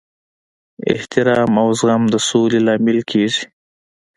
احترام او زغم د سولې لامل کیږي.